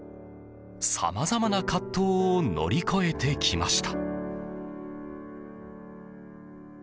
さまざまな葛藤を乗り越えてきました。